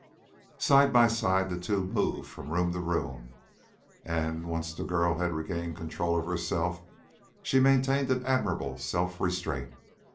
Side by side the two moved from room to room, and, once the girl had regained control of herself, she maintained an admirable self restraint.